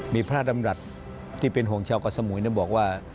มีพระรำรัติที่เป็นห่วงเช้ากับสมุยบอกว่า